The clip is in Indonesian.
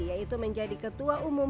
yaitu menjadi ketua umum